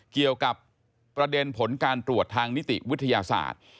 เกี่ยวกับประเด็นผลการตรวจทางนิติวิทยาศาสตร์